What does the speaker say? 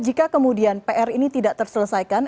jika kemudian pr ini tidak terselesaikan